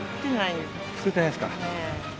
作ってないですか。